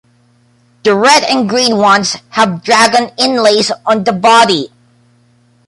The red and green ones have dragon inlays on the body.